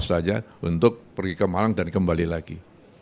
yang saya bawa staff staff saja untuk pergi ke malang dan kembali lagi